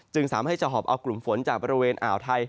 สามารถให้จะหอบเอากลุ่มฝนจากบริเวณอ่าวไทย